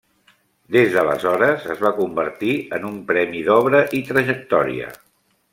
Des d'aleshores es va convertir en un premi d'obra i trajectòria.